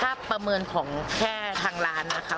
ถ้าประเมินของแค่ทางร้านนะคะ